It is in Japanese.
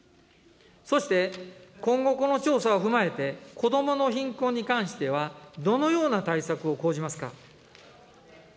そして、今後、この調査を踏まえて、子どもの貧困に関しては、どのような対策を講じますか。